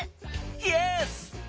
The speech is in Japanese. イエス！